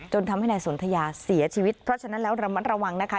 ทำให้นายสนทยาเสียชีวิตเพราะฉะนั้นแล้วระมัดระวังนะคะ